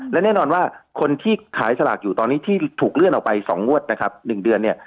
และแน่นอนว่าคนที่ขายสลากอยู่ตอนนี้ที่ถูกเลื่อนออกไป๒งวดนะครับ๑เดือนเนี่ย